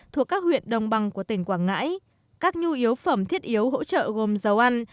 thuộc các huyện đồng bằng của tỉnh quảng ngãi các nhu yếu phẩm thiết yếu hỗ trợ gồm dầu ăn